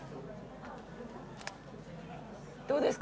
どうですか？